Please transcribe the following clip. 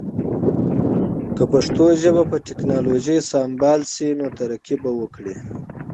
که پښتو ژبه په ټکنالوژی سمبال شی نو ترقی به وکړی